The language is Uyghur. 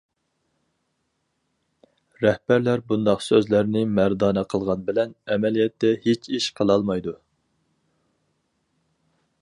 رەھبەرلەر بۇنداق سۆزلەرنى مەردانە قىلغان بىلەن، ئەمەلىيەتتە ھېچ ئىش قىلالمايدۇ.